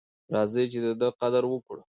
راځئ چې د ده قدر وکړو.